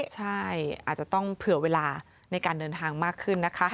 ใช่อาจจะต้องเผื่อเวลาในการเดินทางมากขึ้นนะคะ